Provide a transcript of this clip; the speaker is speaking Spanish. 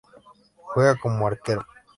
Juega como Arquero.